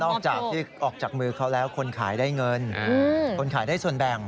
ออกจากที่ออกจากมือเขาแล้วคนขายได้เงินคนขายได้ส่วนแบ่ง